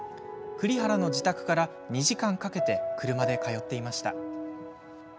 栗原の自宅から２時間かけて車で通っていました。